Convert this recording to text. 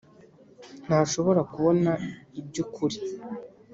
ntashobora kubona ibyukuri.